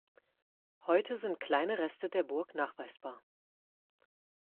Heute sind kleine Reste der Burg nachweisbar.